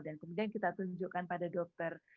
dan kemudian kita tunjukkan pada dokter